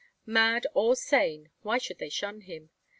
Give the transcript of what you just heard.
Mad or sane, why should they shun him?